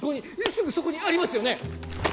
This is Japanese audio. すぐそこにありますよね？